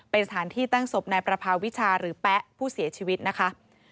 เป็นสถานที่ตั้งศพนายประพาวิชาหรือแป๊ะผู้เสียชีวิตนะคะ